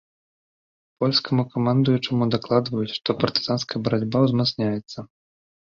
Польскаму камандуючаму дакладваюць, што партызанская барацьба узмацняецца.